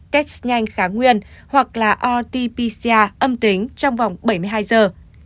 test nhanh khá nguyên hoặc rt pcr âm tính trong vòng bảy mươi hai giờ